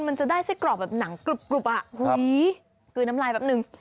มันจะได้ไส้กรอกแบบหนังกรุบอ่ะกลืนน้ำลายแป๊บนึง